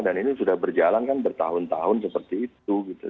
dan ini sudah berjalan kan bertahun tahun seperti itu gitu